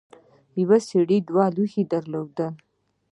یو سړي دوه لوښي درلودل.